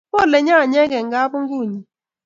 Kole nyanyek eng kabungunyi